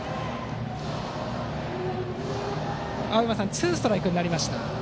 青山さん、ツーストライクになりました。